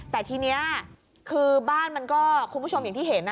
แต่ทีนี้คือบ้านมันก็คุณผู้ชมอย่างที่เห็น